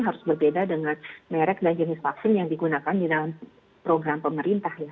harus berbeda dengan merek dan jenis vaksin yang digunakan di dalam program pemerintah ya